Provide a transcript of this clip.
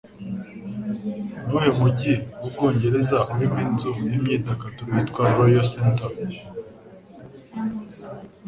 Nuwuhe mujyi wo mubwongereza urimo inzu yimyidagaduro yitwa Royal Centre